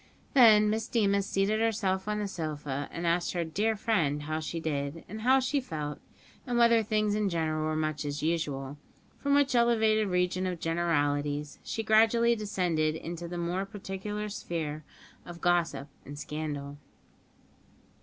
Then Miss Deemas seated herself on the sofa, and asked her "dear friend" how she did, and how she felt, and whether things in general were much as usual; from which elevated region of generalities she gradually descended into the more particular sphere of gossip and scandal.